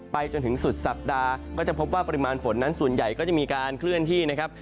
จนถึงสุดสัปดาห์ก็จะพบว่าปริมาณฝนนั้นส่วนใหญ่ก็จะมีการเคลื่อนที่นะครับ